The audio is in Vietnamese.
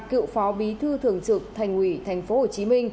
cựu phó bí thư thường trực thành ủy tp hcm